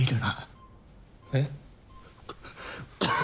えっ？